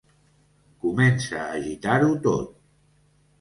Comença a agitar-ho tot.